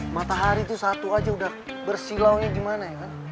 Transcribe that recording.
matahari tuh satu aja udah bersilau gimana ya